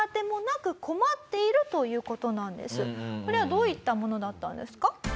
これはどういったものだったんですか？